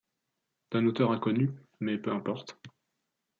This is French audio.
D’un auteur inconnu… mais peu importe !…